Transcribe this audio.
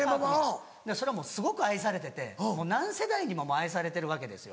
それはもうすごく愛されてて何世代にも愛されてるわけですよ。